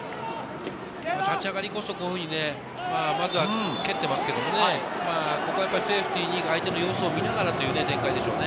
立ち上がりこそ、まずは蹴っていますけど、ここはセーフティーに相手の様子を見ながらという展開でしょうね。